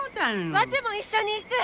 ワテも一緒に行く！